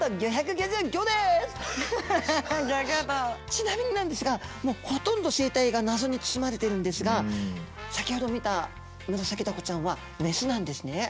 ちなみになんですがもうほとんど生態が謎に包まれてるんですが先ほど見たムラサキダコちゃんはメスなんですね。